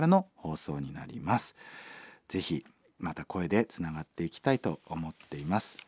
ぜひまた声でつながっていきたいと思っています。